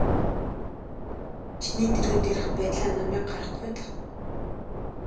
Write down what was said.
Чиний дэргэд ярих байтлаа намайг гаргах уу даа.